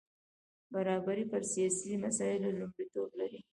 برابري پر سیاسي مسایلو لومړیتوب لري.